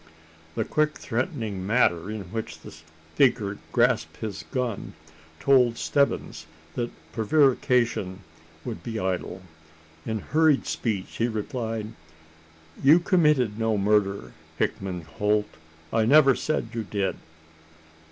The quick threatening manner in which the speaker grasped his gun, told Stebbins that prevarication would be idle. In hurried speech, he replied: "You committed no murder, Hickman Holt! I never said you did!"